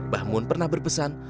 bahmun pernah berpesan